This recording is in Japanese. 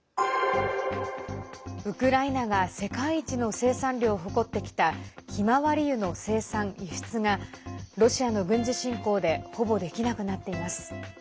ウクライナが世界一の生産量を誇ってきたひまわり油の生産・輸出がロシアの軍事侵攻でほぼできなくなっています。